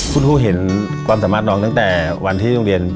คุณครูเห็นความสามารถน้องตั้งแต่วันที่โรงเรียน